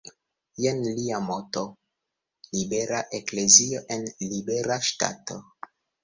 Jen lia moto: "Libera eklezio en libera Ŝtato".